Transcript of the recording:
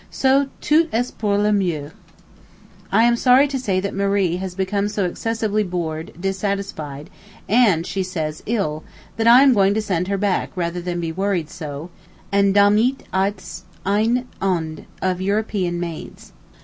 So tout est pour le mieux. I am sorry to say that Marie has become so excessively bored, dissatisfied, and, she says, ill, that I am going to send her back rather than be worried so—and damit hats eine ende of European maids.